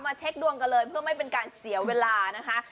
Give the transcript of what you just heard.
เช็คดวงกันเลยเพื่อไม่เป็นการเสียเวลานะคะ